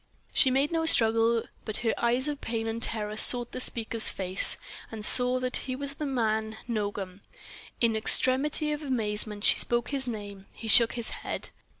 She made no struggle, but her eyes of pain and terror sought the speaker's face, and saw that he was the man Nogam. In extremity of amazement she spoke his name. He shook his head.